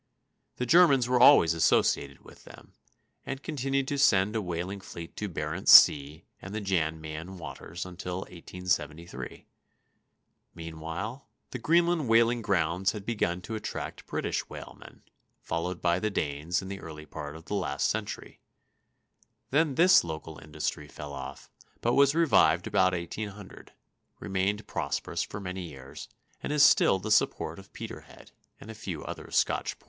The Germans were always associated with them, and continued to send a whaling fleet to Barentz Sea and the Jan Mayen waters until 1873. Meanwhile the Greenland whaling grounds had begun to attract British whalemen, followed by the Danes in the early part of the last century; then this local industry fell off, but was revived about 1800, remained prosperous for many years, and is still the support of Peterhead and a few other Scotch ports.